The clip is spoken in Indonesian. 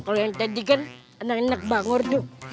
kalau yang tadi kan anak anak bangor tuh